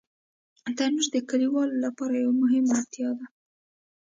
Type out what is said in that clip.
تنور د کلیوالو لپاره یوه مهمه اړتیا ده